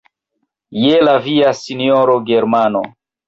Je la via, sinjoro Germano!